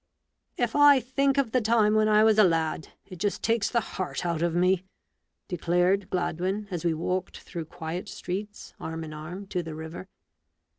"If I think of the time when I was a lad, it just takes the heart out of me !" declared Gladwin, as we walked, through quiet streets, arm in arm to the river.